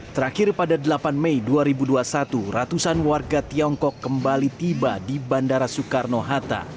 terakhir pada delapan mei dua ribu dua puluh satu ratusan warga tiongkok kembali tiba di bandara soekarno hatta